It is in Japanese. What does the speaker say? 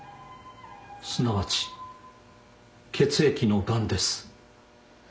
すなわち血液のがんです。